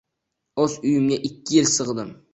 O`z uyimga ikki yil sig`dim